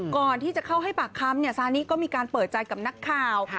ก่อนที่จะเข้าให้ปากคำซานิก็มีการเปิดใจกับนักข่าว